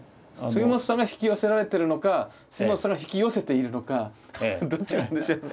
杉本さんが引き寄せられてるのか杉本さんが引き寄せているのかどっちなんでしょうね。